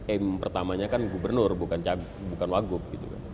aim pertamanya kan gubernur bukan wagub gitu kan